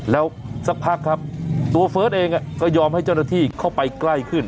แล้วสักพักครับตัวเฟิร์สเองก็ยอมให้เจ้าหน้าที่เข้าไปใกล้ขึ้น